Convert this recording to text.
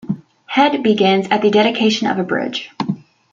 "Head" begins at the dedication of a bridge.